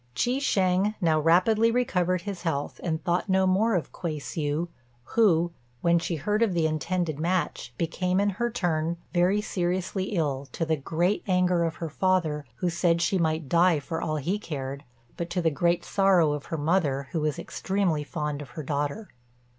Chi shêng now rapidly recovered his health, and thought no more of Kuei hsiu, who, when she heard of the intended match, became in her turn very seriously ill, to the great anger of her father, who said she might die for all he cared, but to the great sorrow of her mother, who was extremely fond of her daughter.